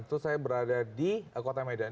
itu saya berada di kota medan